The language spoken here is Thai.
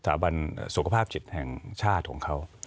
สาบันสุขภาพจิตแห่งชาติของเขา